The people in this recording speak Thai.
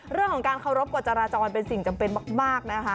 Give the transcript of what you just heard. เรื่องของการเคารพกฎจราจรเป็นสิ่งจำเป็นมากนะคะ